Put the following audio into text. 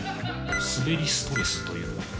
スベリストレスというのは？